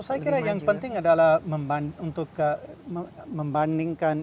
saya kira yang penting adalah untuk membandingkan